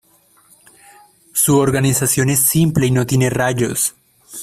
Su organización es simple y no tiene rayos.